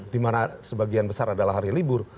di mana sebagian besar adalah hari libur